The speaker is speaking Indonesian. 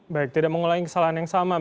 baik tidak mengulangi kesalahan yang sama